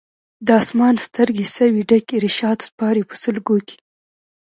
د اسمان سترګي سوې ډکي رشاد سپاري په سلګو کي